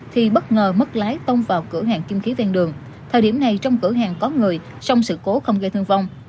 thì bất ngờ mất lái tông vào cửa hàng kinh khí ven đường thời điểm này trong cửa hàng có người song sự cố không gây thương vong